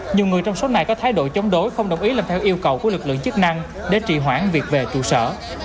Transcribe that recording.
nhiều người trong số này có thái độ chống đối không đồng ý làm theo yêu cầu của lực lượng chức năng để trị hoãn việc về trụ sở